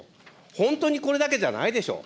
本当にこれだけじゃないでしょう。